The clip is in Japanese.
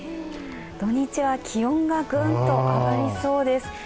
土日は気温がグンと上がりそうです。